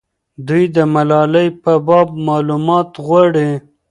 دوی د ملالۍ په باب معلومات غواړي.